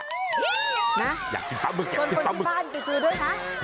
ส่วนคนที่บ้านไปซื้อด้วยนะ